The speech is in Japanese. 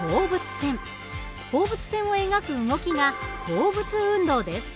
放物線を描く動きが放物運動です。